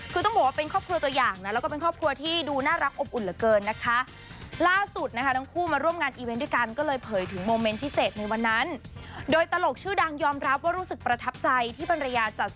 คือต้องบอกว่าเป็นครอบครัวตัวอย่างนะ